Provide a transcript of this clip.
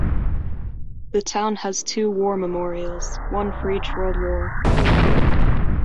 The town has two war memorials, one for each world war.